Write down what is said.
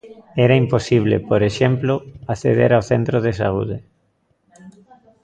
Era imposible, por exemplo, acceder ao centro de saúde.